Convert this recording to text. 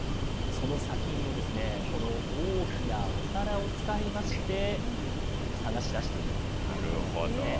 その砂金をこの大きなお皿を使いまして、探し出していくというものなんですね。